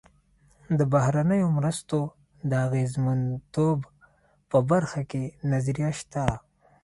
د بهرنیو مرستو د اغېزمنتوب په برخه کې نظریه شته.